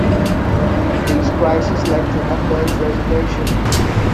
These crises led to Hepburn's resignation.